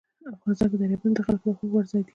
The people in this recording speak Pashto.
افغانستان کې دریابونه د خلکو د خوښې وړ ځای دی.